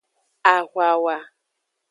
Ahwawa.